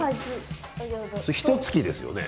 ひと月ですよね？